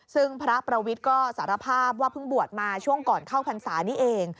ซึ่งพระประวิทย์ก็สารภาพว่าเพิ่งบวชมาช่วงก่อนเข้าพรรษานี้เอง